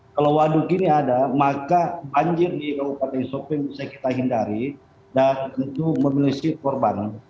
kalau waduk ini ada maka banjir di kabupaten sopeng bisa kita hindari dan tentu memiliki korban